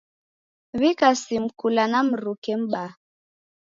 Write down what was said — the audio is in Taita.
W'ika simu kula na mruke m'baa.